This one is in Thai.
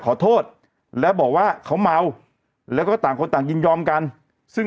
ขอโทษแล้วบอกว่าเขาเมาแล้วก็ต่างคนต่างยินยอมกันซึ่ง